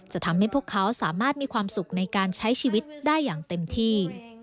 จะทำให้พวกเขาสามารถมีความสุขในการใช้ชีวิตได้อย่างเต็มที่